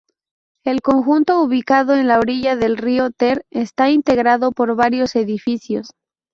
El conjunto, ubicado en la orilla del río Ter, está integrado por varios edificios.